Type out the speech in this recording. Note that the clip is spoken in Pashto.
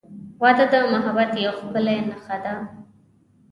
• واده د محبت یوه ښکلی نښه ده.